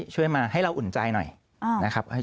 ช่วยมาให้เราอุ่นใจหน่อยนะครับ